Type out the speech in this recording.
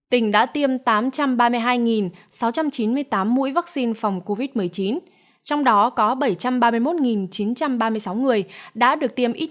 tỉnh đã tiêm tám trăm ba mươi hai sáu trăm chín mươi tám mũi vaccine phòng covid một mươi chín trong đó có bảy trăm ba mươi một chín trăm ba mươi sáu người đã được tiêm ít